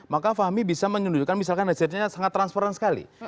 maka fahmi bisa menunjukkan misalkan hasilnya sangat transparan sekali